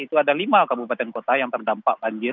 itu ada lima kabupaten kota yang terdampak banjir